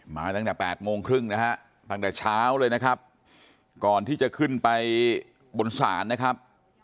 มาตั้งแต่๘โมงครึ่งนะฮะตั้งแต่เช้าเลยนะครับก่อนที่จะขึ้นไปบนศาลนะครับ